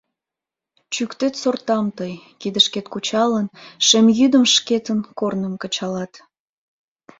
Чӱктет сортам тый, кидышкет кучалын, Шем йӱдым шкетын корным кычалат.